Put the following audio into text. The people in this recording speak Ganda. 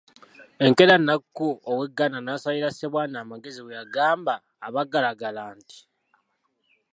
Enkeera Nnakku ow’e Gganda n’asalira Ssebwana amagezi bwe yagamba abagalagala nti